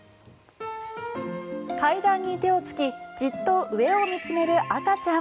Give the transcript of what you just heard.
階段に手をつきじっと上を見つめる赤ちゃん。